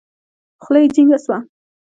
خوله يې جينګه سوه.